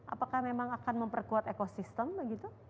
apakah memang akan memperkuat ekosistem begitu